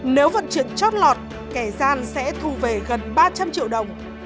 nếu vận chuyển chót lọt kẻ gian sẽ thu về gần ba trăm linh triệu đồng